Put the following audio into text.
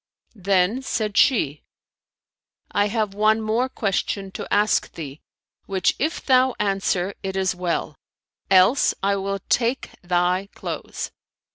Then said she, "I have one more question to ask thee, which if thou answer, it is well; else, I will take thy clothes."